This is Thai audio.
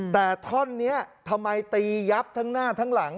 แต่ท่อนนี้ทำไมตียับทั้งหน้าทั้งหลัง